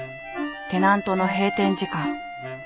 テナントの閉店時間。